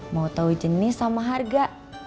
mau tahu jenis sama harga